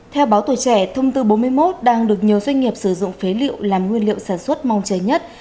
theo báo tuổi trẻ thông tư bốn mươi một đang được nhiều doanh nghiệp sử dụng phế liệu làm nguyên liệu sản xuất mong chờ nhất